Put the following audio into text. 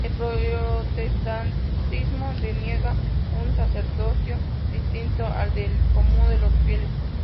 El protestantismo deniega un sacerdocio distinto al del común de los fieles.